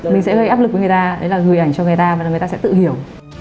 mình sẽ gây áp lực với người ta đấy là gửi ảnh cho người ta và là người ta sẽ tự hiểu